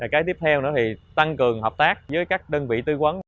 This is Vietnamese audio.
cái tiếp theo nữa thì tăng cường hợp tác với các đơn vị tư quấn